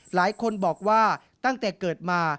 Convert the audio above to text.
หลายคนบอกว่าตั้งแต่เกิดมา